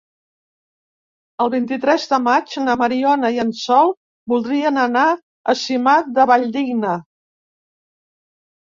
El vint-i-tres de maig na Mariona i en Sol voldrien anar a Simat de la Valldigna.